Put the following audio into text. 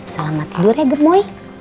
selamat tidur ya gemoy